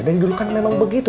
dari dulu kan memang begitu